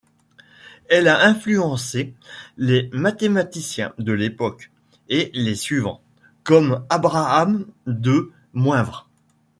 Elle a influencé les mathématiciens de l'époque et les suivants, comme Abraham de Moivre.